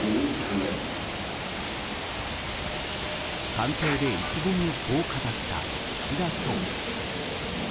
官邸で意気込みをこう語った岸田総理。